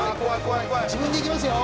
「自分でいきますよ」